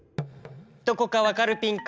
どこかわかるピンか？